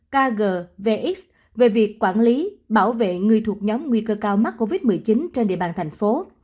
kg vx về việc quản lý bảo vệ người thuộc nhóm nguy cơ cao mắc covid một mươi chín trên địa bàn thành phố